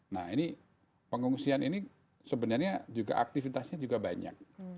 nah ini pengungsian ini sebenarnya juga aktivitasnya juga banyak